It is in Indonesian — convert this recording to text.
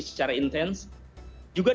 secara intens juga